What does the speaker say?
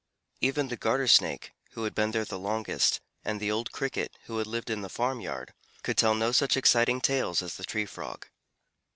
Even the Garter Snake, who had been there the longest, and the old Cricket, who had lived in the farm yard, could tell no such exciting tales as the Tree Frog.